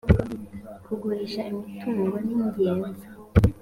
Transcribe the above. kugurisha imitungo ningenzi.